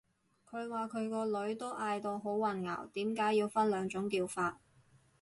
佢話佢個女都嗌到好混淆，點解要分兩種叫法